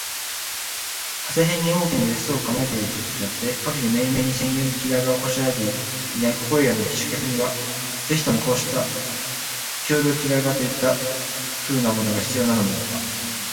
長谷辺（はせへん）に大きな別荘を構えている人と違って、各自めいめいに専有の着換場（きがえば）を拵（こしら）えていないここいらの避暑客には、ぜひともこうした共同着換所といった風（ふう）なものが必要なのであった。